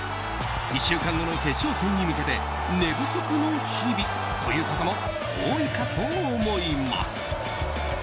１週間後の決勝戦に向けて寝不足の日々という方も多いかと思います。